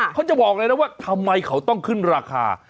เขาบอกเลยนะว่าทำไมเขาต้องขึ้นราคา